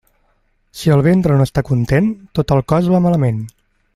Si el ventre no està content, tot el cos va malament.